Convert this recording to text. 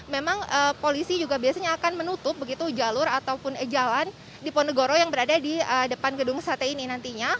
memang polisi juga biasanya akan menutup begitu jalur ataupun jalan di ponegoro yang berada di depan gedung sate ini nantinya